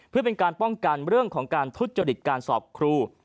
เพื่อเป็นการป้องกันเรื่องของการทุจริตการสอบครู